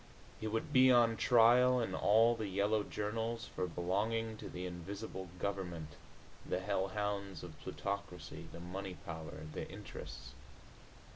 He would be on trial in all the yellow journals for belonging to the Invisible Government, the Hell Hounds of Plutocracy, the Money Power, the Interests.